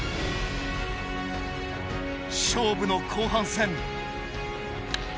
勝負の後半戦。